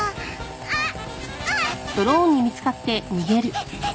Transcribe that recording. あっ！